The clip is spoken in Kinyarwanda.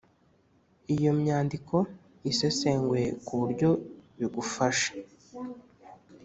Iyo myandiko isesenguye ku buryo bigufasha